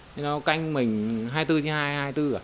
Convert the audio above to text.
nên nó canh mình hai mươi bốn trên hai mươi bốn cả